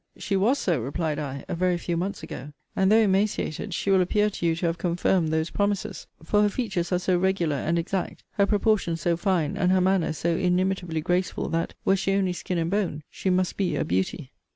She was so, replied I, a very few months ago: and, though emaciated, she will appear to you to have confirmed those promises; for her features are so regular and exact, her proportions so fine, and her manner so inimitably graceful, that, were she only skin and bone, she must be a beauty.